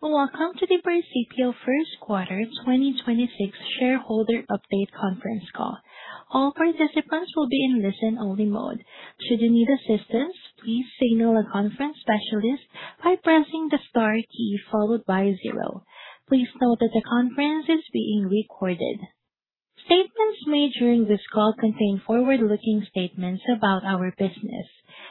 Welcome to the Precipio first quarter 2026 shareholder update conference call. All participants will be in listen only mode. Should you need assistance, please signal a conference specialist by pressing the star key followed by zero. Please note that the conference is being recorded. Statements made during this call contain forward-looking statements about our business.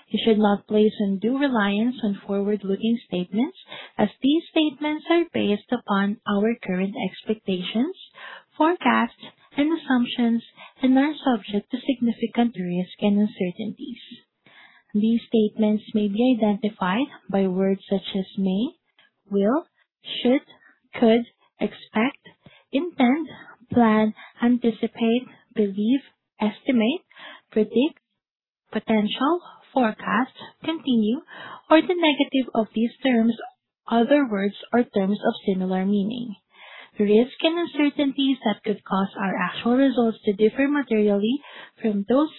You should not place undue reliance on forward-looking statements as these statements are based upon our current expectations, forecasts, and assumptions and are subject to significant risk and uncertainties. These statements may be identified by words such as may, will, should, could, expect, intend, plan, anticipate, believe, estimate, predict, potential, forecast, continue, or the negative of these terms, other words or terms of similar meaning. Risk and uncertainties that could cause our actual results to differ materially from those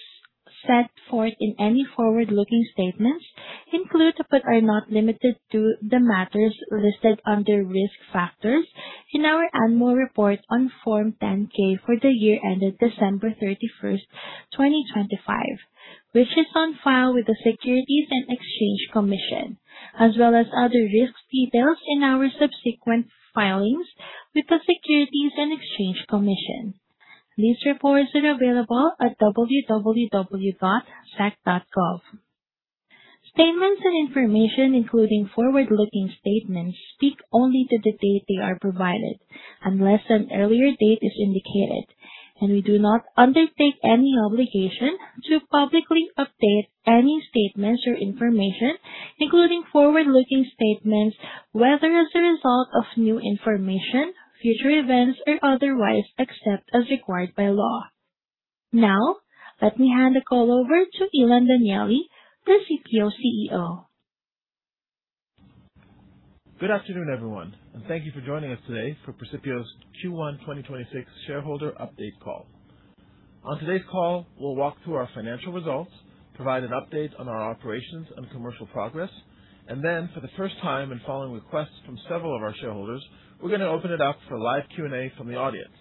set forth in any forward-looking statements include, but are not limited to, the matters listed under risk factors in our annual report on Form 10-K for the year ended December 31st, 2025, which is on file with the Securities and Exchange Commission, as well as other risks detailed in our subsequent filings with the Securities and Exchange Commission. These reports are available at www.sec.gov. Statements and information, including forward-looking statements, speak only to the date they are provided, unless an earlier date is indicated. We do not undertake any obligation to publicly update any statements or information, including forward-looking statements, whether as a result of new information, future events or otherwise, except as required by law. Now, let me hand the call over to Ilan Danieli, Precipio CEO. Good afternoon, everyone, thank you for joining us today for Precipio's Q1 2026 shareholder update call. On today's call, we'll walk through our financial results, provide an update on our operations and commercial progress, and then for the first time, in following requests from several of our shareholders, we're gonna open it up for live Q&A from the audience.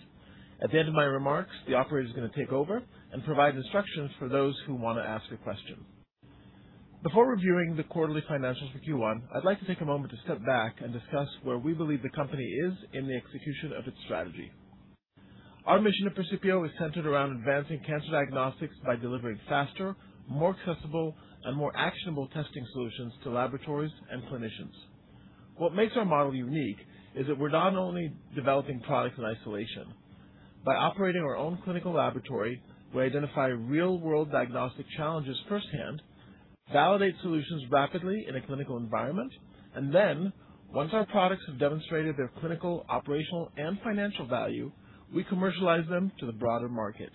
At the end of my remarks, the operator is gonna take over and provide instructions for those who wanna ask a question. Before reviewing the quarterly financials for Q1, I'd like to take a moment to step back and discuss where we believe the company is in the execution of its strategy. Our mission at Precipio is centered around advancing cancer diagnostics by delivering faster, more accessible and more actionable testing solutions to laboratories and clinicians. What makes our model unique is that we're not only developing products in isolation. By operating our own clinical laboratory, we identify real-world diagnostic challenges firsthand, validate solutions rapidly in a clinical environment, and then once our products have demonstrated their clinical, operational and financial value, we commercialize them to the broader market.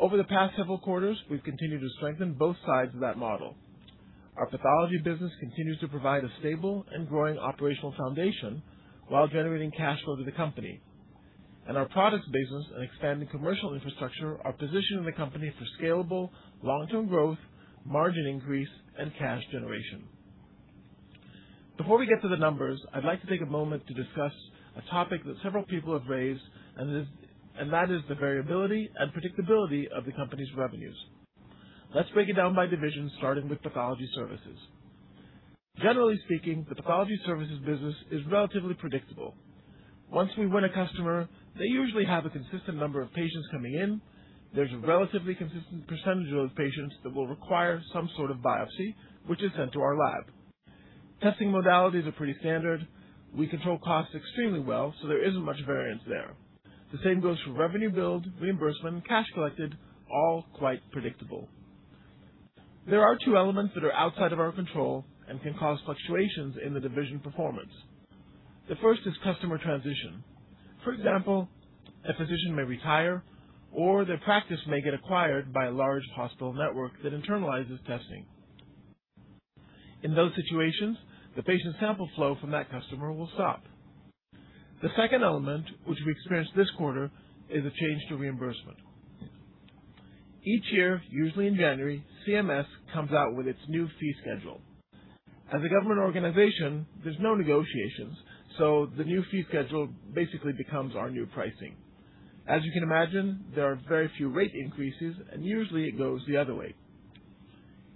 Over the past several quarters, we've continued to strengthen both sides of that model. Our pathology business continues to provide a stable and growing operational foundation while generating cash flow to the company. Our products business and expanding commercial infrastructure are positioning the company for scalable long-term growth, margin increase, and cash generation. Before we get to the numbers, I'd like to take a moment to discuss a topic that several people have raised and that is the variability and predictability of the company's revenues. Let's break it down by division, starting with pathology services. Generally speaking, the pathology services business is relatively predictable. Once we win a customer, they usually have a consistent number of patients coming in. There's a relatively consistent percent of those patients that will require some sort of biopsy, which is sent to our lab. Testing modalities are pretty standard. We control costs extremely well, so there isn't much variance there. The same goes for revenue build, reimbursement, and cash collected, all quite predictable. There are two elements that are outside of our control and can cause fluctuations in the division performance. The first is customer transition. For example, a physician may retire or their practice may get acquired by a large hospital network that internalizes testing. In those situations, the patient sample flow from that customer will stop. The second element, which we experienced this quarter, is a change to reimbursement. Each year, usually in January, CMS comes out with its new fee schedule. As a government organization, there's no negotiations, the new fee schedule basically becomes our new pricing. As you can imagine, there are very few rate increases and usually it goes the other way.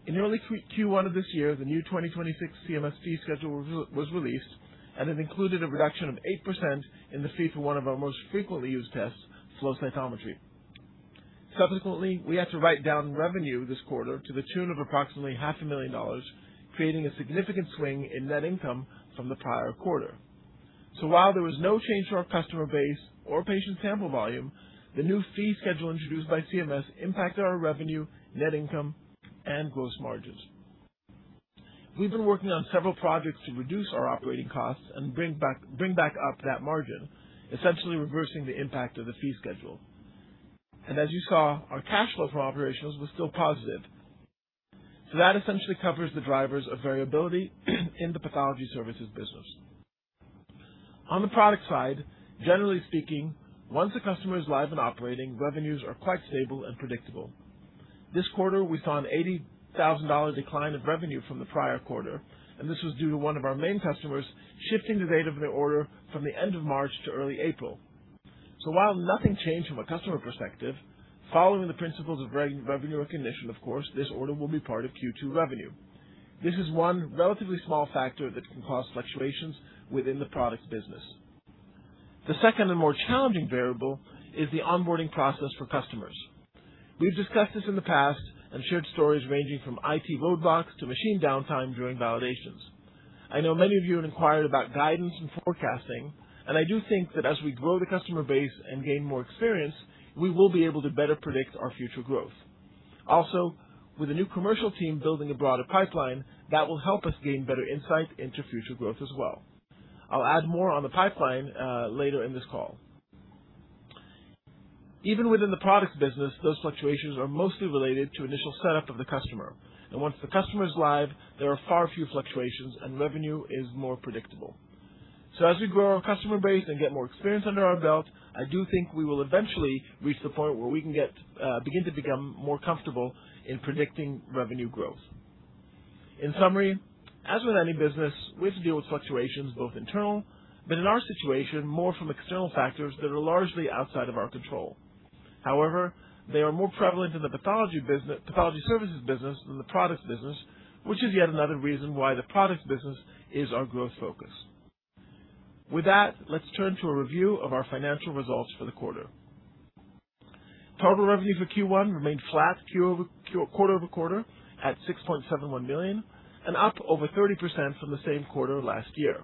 In early Q1 of this year, the new 2026 CMS fee schedule was released and it included a reduction of 8% in the fee for one of our most frequently used tests, flow cytometry. Subsequently, we had to write down revenue this quarter to the tune of approximately half a million dollars, creating a significant swing in net income from the prior quarter. While there was no change to our customer base or patient sample volume, the new fee schedule introduced by CMS impacted our revenue, net income, and gross margins. We've been working on several projects to reduce our operating costs and bring back up that margin, essentially reversing the impact of the fee schedule. As you saw, our cash flow from operations was still positive. That essentially covers the drivers of variability in the pathology services business. On the product side, generally speaking, once a customer is live and operating, revenues are quite stable and predictable. This quarter, we saw an $80,000 decline in revenue from the prior quarter, and this was due to one of our main customers shifting the date of their order from the end of March to early April. While nothing changed from a customer perspective, following the principles of revenue recognition, of course, this order will be part of Q2 revenue. This is one relatively small factor that can cause fluctuations within the product business. The second and more challenging variable is the onboarding process for customers. We've discussed this in the past and shared stories ranging from IT roadblocks to machine downtime during validations. I know many of you have inquired about guidance and forecasting, and I do think that as we grow the customer base and gain more experience, we will be able to better predict our future growth. Also, with a new commercial team building a broader pipeline, that will help us gain better insight into future growth as well. I'll add more on the pipeline later in this call. Even within the product business, those fluctuations are mostly related to initial setup of the customer. Once the customer is live, there are far fewer fluctuations and revenue is more predictable. As we grow our customer base and get more experience under our belt, I do think we will eventually reach the point where we can begin to become more comfortable in predicting revenue growth. In summary, as with any business, we have to deal with fluctuations both internal, but in our situation, more from external factors that are largely outside of our control. However, they are more prevalent in the pathology services business than the product business, which is yet another reason why the product business is our growth focus. With that, let's turn to a review of our financial results for the quarter. Total revenue for Q1 remained flat quarter-over-quarter at $6.71 million and up over 30% from the same quarter last year.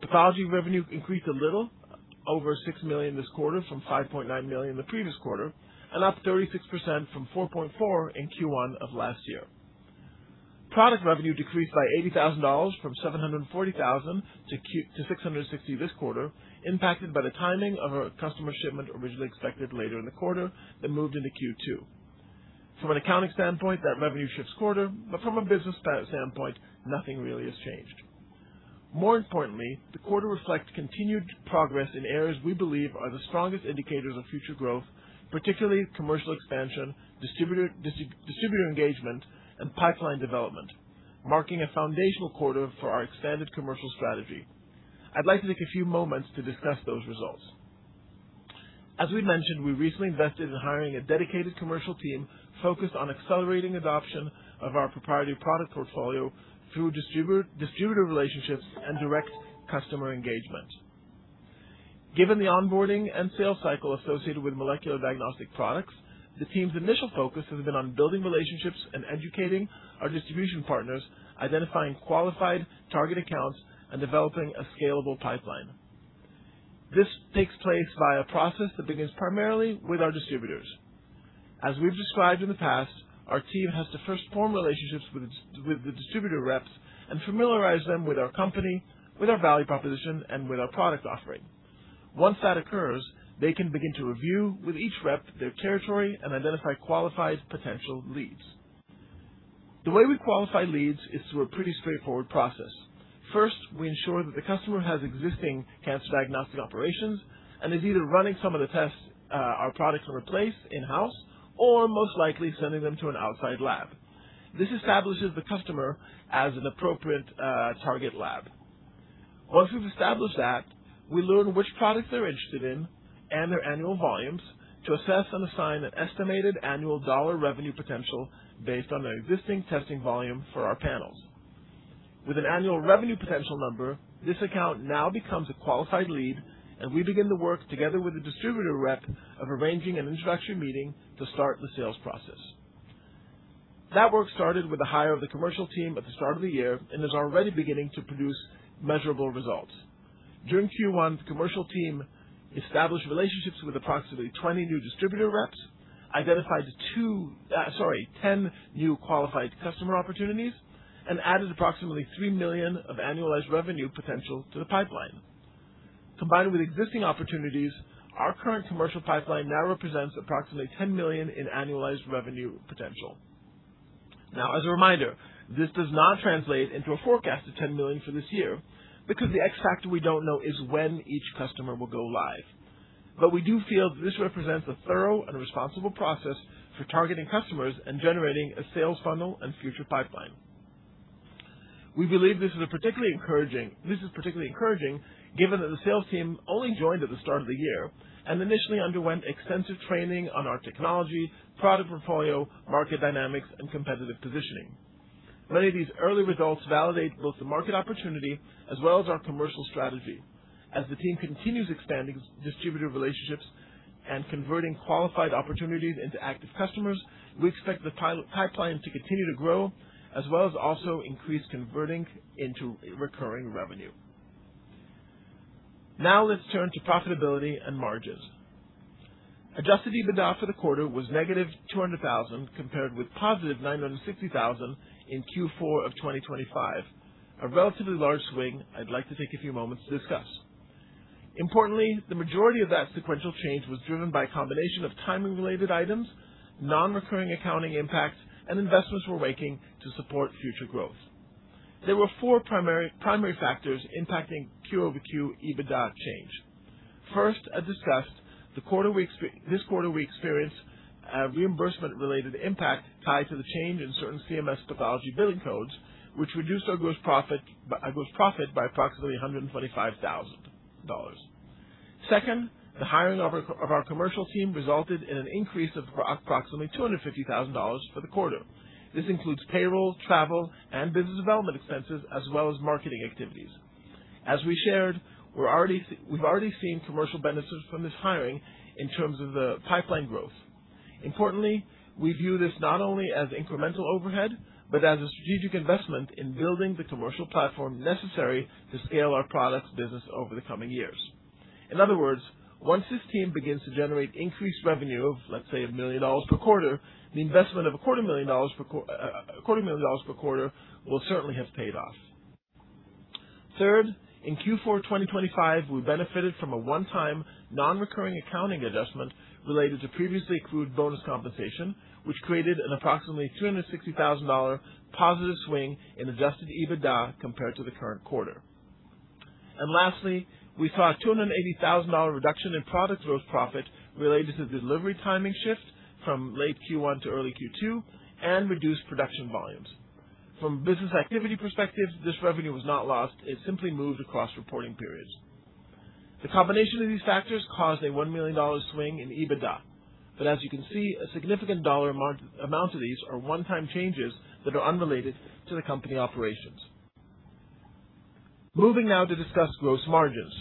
Pathology revenue increased a little over $6 million this quarter from $5.9 million the previous quarter and up 36% from $4.4 million in Q1 of last year. Product revenue decreased by $80,000 from $740,000-$660,000 this quarter, impacted by the timing of a customer shipment originally expected later in the quarter that moved into Q2. From an accounting standpoint, that revenue shifts quarter, but from a business standpoint, nothing really has changed. More importantly, the quarter reflects continued progress in areas we believe are the strongest indicators of future growth, particularly commercial expansion, distributor engagement, and pipeline development, marking a foundational quarter for our expanded commercial strategy. I'd like to take a few moments to discuss those results. As we've mentioned, we recently invested in hiring a dedicated commercial team focused on accelerating adoption of our proprietary product portfolio through distributor relationships and direct customer engagement. Given the onboarding and sales cycle associated with molecular diagnostic products, the team's initial focus has been on building relationships and educating our distribution partners, identifying qualified target accounts, and developing a scalable pipeline. This takes place via a process that begins primarily with our distributors. As we've described in the past, our team has to first form relationships with the distributor reps and familiarize them with our company, with our value proposition, and with our product offering. Once that occurs, they can begin to review with each rep their territory and identify qualified potential leads. The way we qualify leads is through a pretty straightforward process. First, we ensure that the customer has existing cancer diagnostic operations and is either running some of the tests our products replace in-house or most likely sending them to an outside lab. This establishes the customer as an appropriate target lab. Once we've established that, we learn which products they're interested in and their annual volumes to assess and assign an estimated annual dollar revenue potential based on their existing testing volume for our panels. With an annual revenue potential number, this account now becomes a qualified lead, we begin the work together with the distributor rep of arranging an introduction meeting to start the sales process. That work started with the hire of the commercial team at the start of the year and is already beginning to produce measurable results. During Q1, the commercial team established relationships with approximately 20 new distributor reps, identified two, sorry, 10 new qualified customer opportunities, and added approximately $3 million of annualized revenue potential to the pipeline. Combined with existing opportunities, our current commercial pipeline now represents approximately $10 million in annualized revenue potential. As a reminder, this does not translate into a forecast of $10 million for this year because the X factor we don't know is when each customer will go live. We do feel that this represents a thorough and responsible process for targeting customers and generating a sales funnel and future pipeline. We believe this is particularly encouraging given that the sales team only joined at the start of the year and initially underwent extensive training on our technology, product portfolio, market dynamics, and competitive positioning. Many of these early results validate both the market opportunity as well as our commercial strategy. As the team continues expanding distributor relationships and converting qualified opportunities into active customers, we expect the pipeline to continue to grow as well as also increase converting into recurring revenue. Let's turn to profitability and margins. Adjusted EBITDA for the quarter was negative $200,000, compared with positive $960,000 in Q4 of 2025. A relatively large swing I'd like to take a few moments to discuss. Importantly, the majority of that sequential change was driven by a combination of timing-related items, non-recurring accounting impacts, and investments we're making to support future growth. There were four primary factors impacting QoQ EBITDA change. First, as discussed, this quarter, we experienced a reimbursement-related impact tied to the change in certain CMS pathology billing codes, which reduced our gross profit by approximately $125,000. Second, the hiring of our commercial team resulted in an increase of approximately $250,000 for the quarter. This includes payroll, travel, and business development expenses, as well as marketing activities. As we shared, we've already seen commercial benefits from this hiring in terms of the pipeline growth. Importantly, we view this not only as incremental overhead but as a strategic investment in building the commercial platform necessary to scale our products business over the coming years. In other words, once this team begins to generate increased revenue of, let's say, $1 million per quarter, the investment of a quarter million dollars per quarter will certainly have paid off. Third, in Q4 2025, we benefited from a one-time, non-recurring accounting adjustment related to previously accrued bonus compensation, which created an approximately $260,000 positive swing in adjusted EBITDA compared to the current quarter. Lastly, we saw a $280,000 reduction in product gross profit related to the delivery timing shift from late Q1 to early Q2 and reduced production volumes. From a business activity perspective, this revenue was not lost. It simply moved across reporting periods. The combination of these factors caused a $1 million swing in EBITDA. As you can see, a significant dollar amount of these are one-time changes that are unrelated to the company operations. Moving now to discuss gross margins.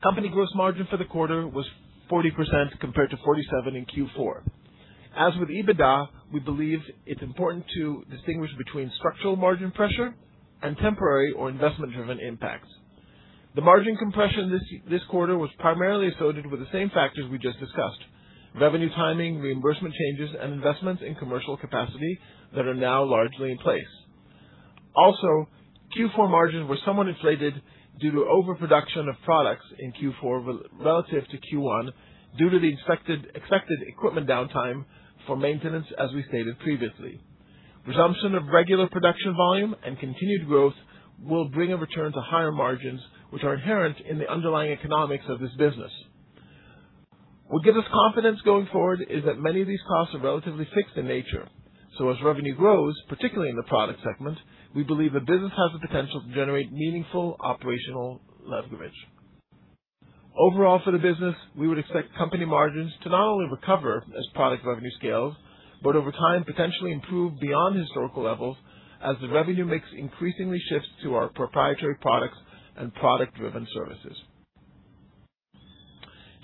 Company gross margin for the quarter was 40% compared to 47% in Q4. As with EBITDA, we believe it's important to distinguish between structural margin pressure and temporary or investment-driven impacts. The margin compression this quarter was primarily associated with the same factors we just discussed. Revenue timing, reimbursement changes, and investments in commercial capacity that are now largely in place. Also, Q4 margins were somewhat inflated due to overproduction of products in Q4 relative to Q1 due to the expected equipment downtime for maintenance as we stated previously. Resumption of regular production volume and continued growth will bring a return to higher margins, which are inherent in the underlying economics of this business. What gives us confidence going forward is that many of these costs are relatively fixed in nature. As revenue grows, particularly in the product segment, we believe the business has the potential to generate meaningful operational leverage. Overall, for the business, we would expect company margins to not only recover as product revenue scales but over time, potentially improve beyond historical levels as the revenue mix increasingly shifts to our proprietary products and product-driven services.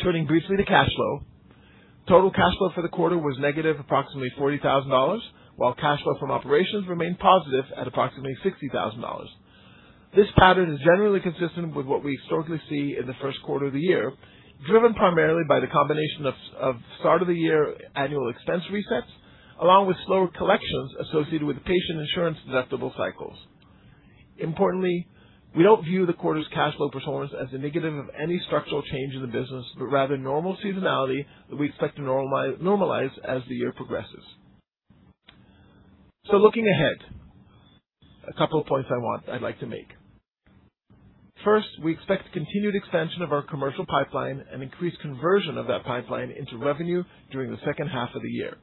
Turning briefly to cash flow. Total cash flow for the quarter was negative approximately $40,000, while cash flow from operations remained positive at approximately $60,000. This pattern is generally consistent with what we historically see in the first quarter of the year, driven primarily by the combination of start-of-the-year annual expense resets, along with slower collections associated with patient insurance deductible cycles. Importantly, we don't view the quarter's cash flow performance as a negative of any structural change in the business, but rather normal seasonality that we expect to normalize as the year progresses. Looking ahead, a couple of points I'd like to make. First, we expect continued expansion of our commercial pipeline and increased conversion of that pipeline into revenue during the second half of the year.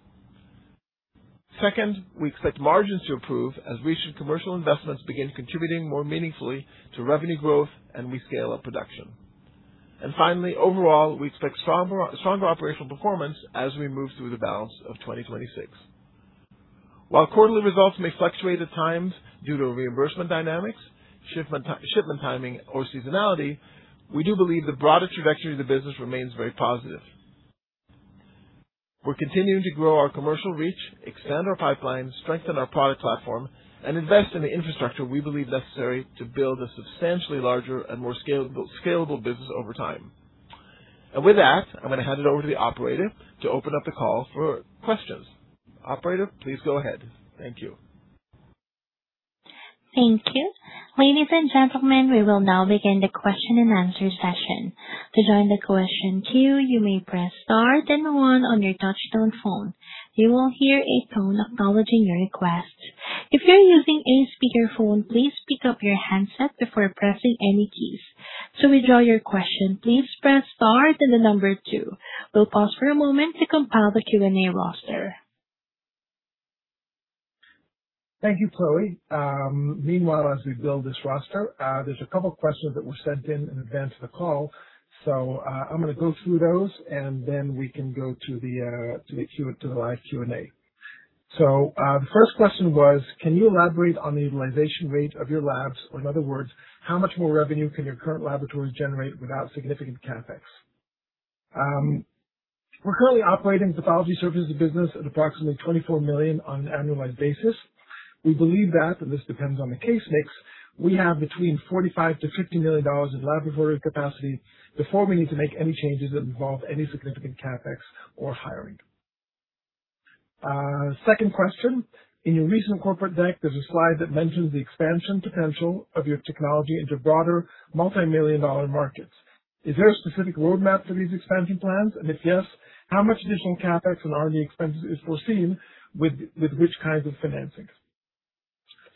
Second, we expect margins to improve as recent commercial investments begin contributing more meaningfully to revenue growth, and we scale up production. Finally, overall, we expect stronger operational performance as we move through the balance of 2026. While quarterly results may fluctuate at times due to reimbursement dynamics, shipment timing, or seasonality, we do believe the broader trajectory of the business remains very positive. We're continuing to grow our commercial reach, extend our pipeline, strengthen our product platform, and invest in the infrastructure we believe necessary to build a substantially larger and more scalable business over time. With that, I'm gonna hand it over to the operator to open up the call for questions. Operator, please go ahead. Thank you. Thank you. Ladies and gentlemen, we will now begin the question-and-answer session. To join the question queue, you may press star then one on your touchtone phone. You will hear a tone acknowledging your request. If you're using a speakerphone, please pick up your handset before pressing any keys. To withdraw your question, please press star then the number 2. We'll pause for a moment to compile the Q&A roster. Thank you, Chloe. Meanwhile, as we build this roster, there's a couple of questions that were sent in in advance of the call. I'm gonna go through those, and then we can go to the live Q&A. The first question was, can you elaborate on the utilization rate of your labs, or in other words, how much more revenue can your current laboratories generate without significant CapEx? We're currently operating pathology services business at approximately $24 million on an annualized basis. We believe that, but this depends on the case mix, we have between $45 million-$50 million in laboratory capacity before we need to make any changes that involve any significant CapEx or hiring. Second question. In your recent corporate deck, there's a slide that mentions the expansion potential of your technology into broader multi-million dollar markets. Is there a specific roadmap for these expansion plans? If yes, how much additional CapEx and R&D expenses is foreseen with which kinds of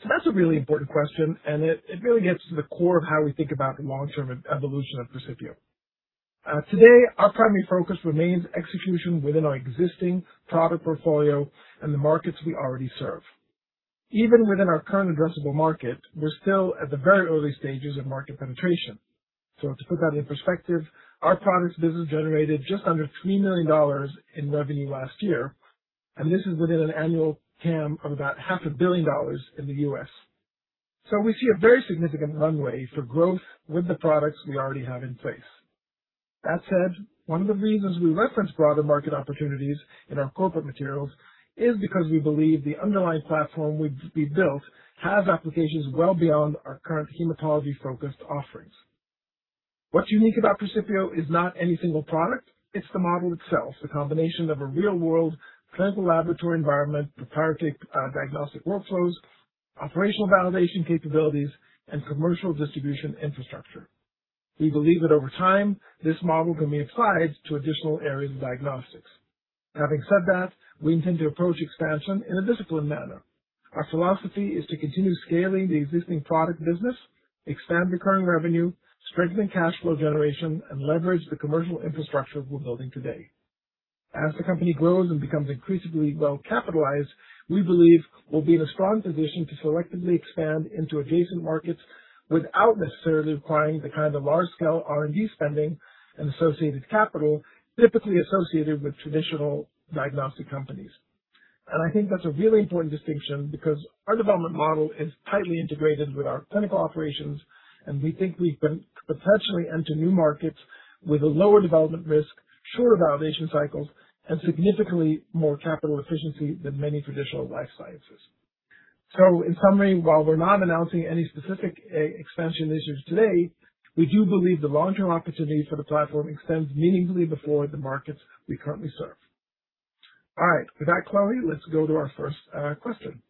financings? That's a really important question, and it really gets to the core of how we think about the long-term evolution of Precipio. Today, our primary focus remains execution within our existing product portfolio and the markets we already serve. Even within our current addressable market, we're still at the very early stages of market penetration. To put that in perspective, our products business generated just under $3 million in revenue last year, and this is within an annual TAM of about half a billion dollars in the U.S. We see a very significant runway for growth with the products we already have in place. That said, one of the reasons we reference broader market opportunities in our corporate materials is because we believe the underlying platform we've built have applications well beyond our current hematology-focused offerings. What's unique about Precipio is not any single product, it's the model itself, the combination of a real-world clinical laboratory environment, proprietary diagnostic workflows, operational validation capabilities, and commercial distribution infrastructure. We believe that over time, this model can be applied to additional areas of diagnostics. Having said that, we intend to approach expansion in a disciplined manner. Our philosophy is to continue scaling the existing product business, expand recurring revenue, strengthen cash flow generation, and leverage the commercial infrastructure we're building today. As the company grows and becomes increasingly well-capitalized, we believe we'll be in a strong position to selectively expand into adjacent markets without necessarily requiring the kind of large-scale R&D spending and associated capital typically associated with traditional diagnostic companies. I think that's a really important distinction because our development model is tightly integrated with our clinical operations, and we think we can potentially enter new markets with a lower development risk, shorter validation cycles, and significantly more capital efficiency than many traditional life sciences. In summary, while we're not announcing any specific expansion initiatives today, we do believe the long-term opportunity for the platform extends meaningfully before the markets we currently serve. All right. With that, Chloe, let's go to our first question.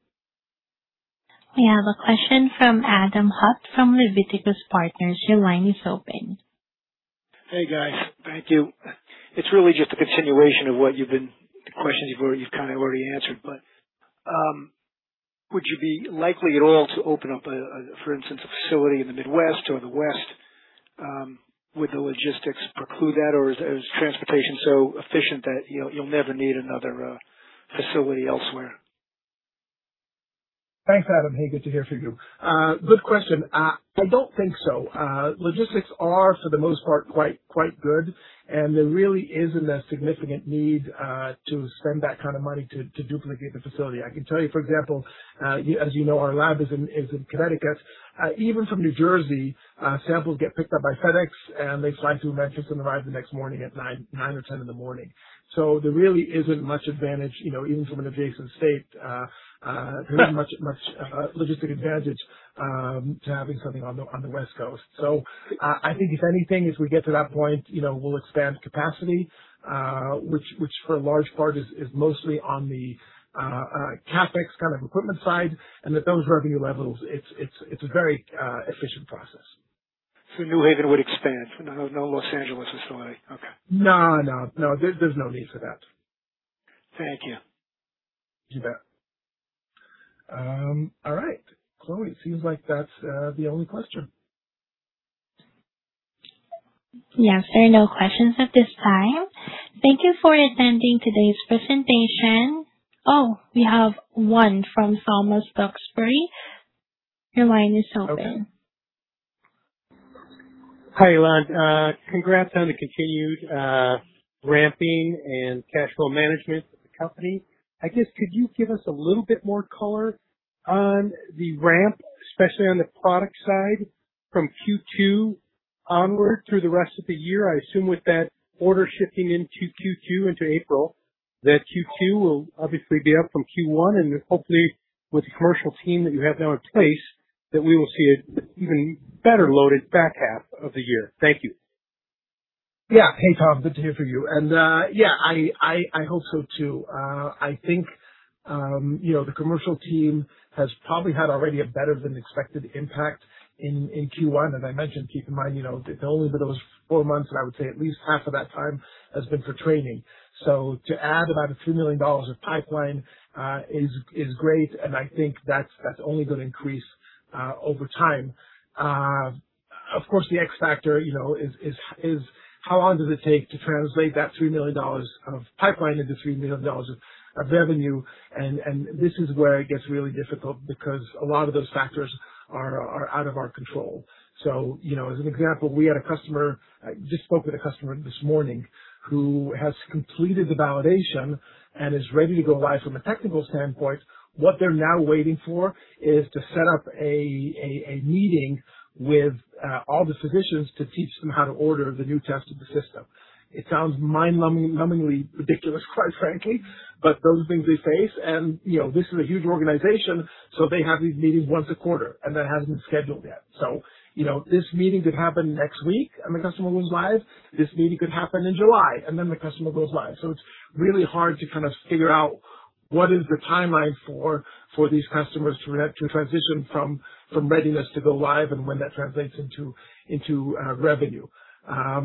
We have a question from Adam Hutt from Leviticus Partners. Your line is open. Hey, guys. Thank you. It's really just a continuation of what the questions you've kind of already answered, would you be likely at all to open up a, for instance, a facility in the Midwest or the West? Would the logistics preclude that, or is transportation so efficient that, you know, you'll never need another facility elsewhere? Thanks, Adam. Hey, good to hear from you. Good question. I don't think so. Logistics are, for the most part, quite good, and there really isn't a significant need to spend that kind of money to duplicate the facility. I can tell you, for example, as you know, our lab is in Connecticut. Even from New Jersey, samples get picked up by FedEx, and they fly through Memphis and arrive the next morning at 9 or 10 in the morning. There really isn't much advantage, you know, even from an adjacent state, there isn't much logistic advantage to having something on the West Coast. I think if anything, as we get to that point, you know, we'll expand capacity, which for a large part is mostly on the CapEx kind of equipment side and at those revenue levels, it's a very efficient process. New Haven would expand. No Los Angeles facility. Okay. No, no. There's no need for that. Thank you. You bet. All right. Chloe, it seems like that's the only question. Yes, there are no questions at this time. Thank you for attending today's presentation. Oh, we have one from Thomas Duxbury. Your line is open. Okay. Hi, Ilan. Congrats on the continued ramping and cash flow management of the company. I guess could you give us a little bit more color on the ramp, especially on the product side from Q2 onward through the rest of the year? I assume with that order shipping in Q2 into April, that Q2 will obviously be up from Q1 and hopefully with the commercial team that you have now in place, that we will see an even better loaded back half of the year. Thank you. Yeah. Hey, Tom. Good to hear from you. Yeah, I hope so too. I think, you know, the commercial team has probably had already a better than expected impact in Q1. As I mentioned, keep in mind, you know, they've only been those four months, I would say at least half of that time has been for training. To add about a $3 million of pipeline is great, I think that's only gonna increase over time. Of course, the X factor, you know, is how long does it take to translate that $3 million of pipeline into $3 million of revenue and this is where it gets really difficult because a lot of those factors are out of our control. You know, as an example, we had a customer I just spoke with a customer this morning who has completed the validation and is ready to go live from a technical standpoint. What they're now waiting for is to set up a meeting with all the physicians to teach them how to order the new test of the system. It sounds mind-numbingly ridiculous, quite frankly, but those are the things we face. You know, this is a huge organization, so they have these meetings once a quarter, and that hasn't been scheduled yet. You know, this meeting could happen next week, and the customer goes live. This meeting could happen in July, and then the customer goes live. It's really hard to kind of figure out what is the timeline for these customers to transition from readiness to go live and when that translates into revenue? I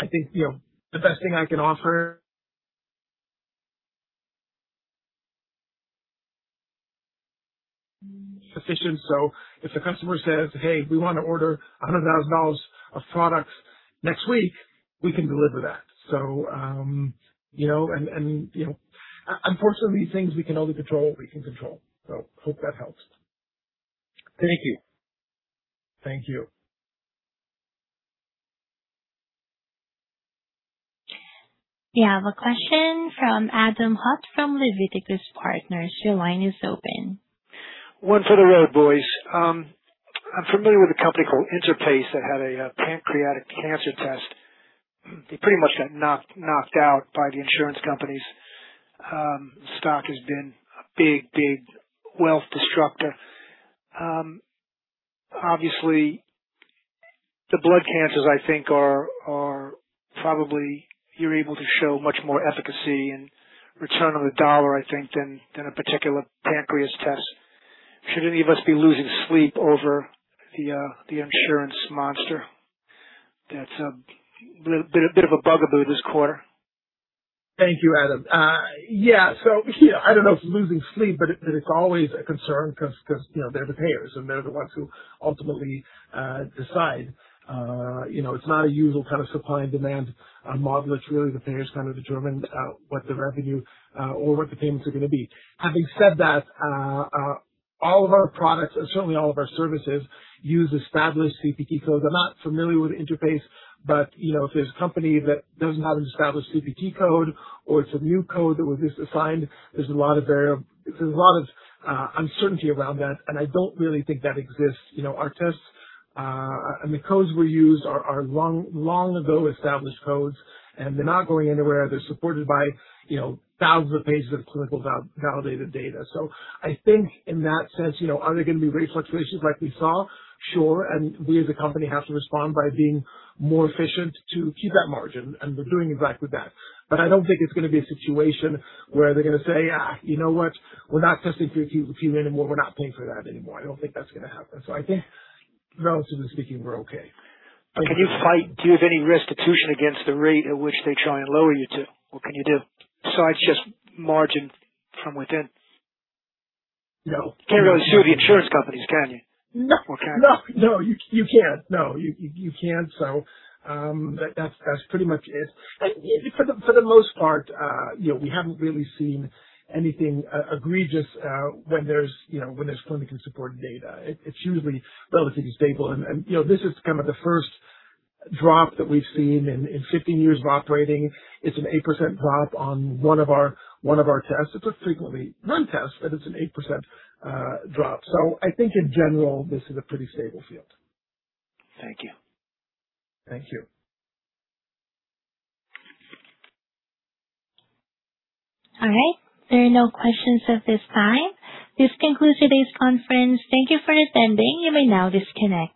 think, you know, the best thing I can offer is sufficient. If the customer says, "Hey, we want to order $100,000 of products next week," we can deliver that. You know, and you know, unfortunately, things we can only control, we can control. Hope that helps. Thank you. Thank you. We have a question from Adam Hutt from Leviticus Partners. Your line is open. One for the road, boys. I'm familiar with a company called Interpace that had a pancreatic cancer test. They pretty much got knocked out by the insurance companies. Stock has been a big wealth destructor. Obviously, the blood cancers, I think, are probably you're able to show much more efficacy and return on the dollar, I think, than a particular pancreas test. Should any of us be losing sleep over the insurance monster? That's a bit of a bugaboo this quarter. Thank you, Adam. Yeah. You know, I don't know if it's losing sleep, but it's always a concern because you know, they're the payers and they're the ones who ultimately decide. You know, it's not a usual kind of supply and demand model. It's really the payers kind of determine what the revenue or what the payments are gonna be. Having said that, all of our products and certainly all of our services use established CPT codes. I'm not familiar with Interpace, but you know, if there's a company that doesn't have an established CPT code or it's a new code that was just assigned, there's a lot of uncertainty around that, and I don't really think that exists. You know, our tests, and the codes we use are long ago established codes, and they're not going anywhere. They're supported by, you know, thousands of pages of clinical validated data. I think in that sense, you know, are there gonna be rate fluctuations like we saw? Sure. We as a company have to respond by being more efficient to keep that margin. We're doing exactly that. I don't think it's gonna be a situation where they're gonna say, "You know what? We're not testing for [inaudible] not paying for that anymore." I don't think that's gonna happen. I think relatively speaking, we're okay. Do you have any restitution against the rate at which they try and lower you to? What can you do besides just margin from within? No. Can't really sue the insurance companies, can you? No. Can you? No, you can't. No, you can't. That's pretty much it. For the most part, you know, we haven't really seen anything egregious when there's, you know, when there's clinical support data. It's usually relatively stable and you know, this is kind of the first drop that we've seen in 15 years of operating. It's an 8% drop on one of our tests. It's a frequently run test, but it's an 8% drop. I think in general, this is a pretty stable field. Thank you. Thank you. All right. There are no questions at this time. This concludes today's conference. Thank you for attending. You may now disconnect.